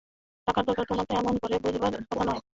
টাকার দরকার তোমার তো এমন করে বুঝবার কথা নয়!